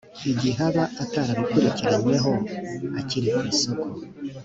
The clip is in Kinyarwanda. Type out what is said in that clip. igihe aba atarabikurikiranyweho akiri ku isoko